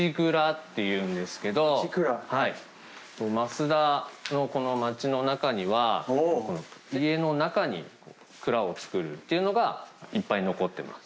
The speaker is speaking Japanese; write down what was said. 増田のこの町の中には家の中に蔵を造るっていうのがいっぱい残ってます。